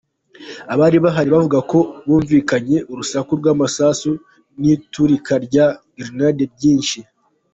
Abari bahari bavuga ko humvikanye urusaku rw’amasasu n’iturika rya gerenade nyinshi.